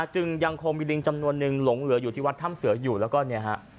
จึงยังคงมีลิงจำนวนนึงหลงเหลืออยู่ที่วัดถ้ำเสืออยู่แล้วก็เนี่ยฮะ